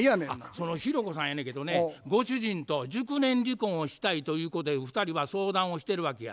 その弘子さんやねんけどねご主人と熟年離婚をしたいということで２人は相談をしてるわけや。